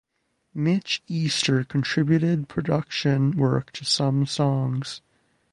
Mitch Easter contributed production work to some songs.